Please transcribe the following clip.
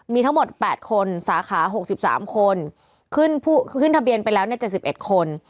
มีทั้งหมด๘คนสาขา๖๓คนขึ้นทะเบียนไปแล้ว๗๑คน